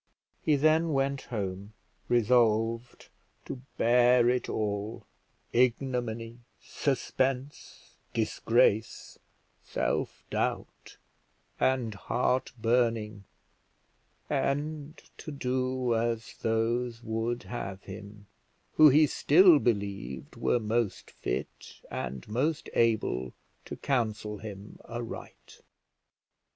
He then went home, resolved to bear it all, ignominy, suspense, disgrace, self doubt, and heart burning, and to do as those would have him, who he still believed were most fit and most able to counsel him aright.